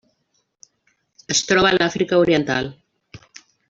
Es troba a l'Àfrica oriental.